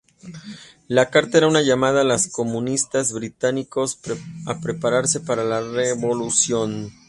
La carta era una llamada a los comunistas británicos a prepararse para la revolución.